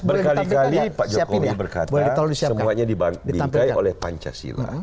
berkali kali pak jokowi berkata semuanya dibintai oleh pancasila